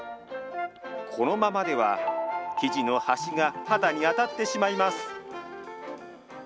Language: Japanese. このままでは生地の端が肌に当たってしまいます。